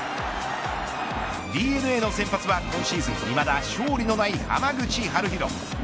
ＤｅＮＡの先発は今シーズンいまだ勝利のない濱口遥大。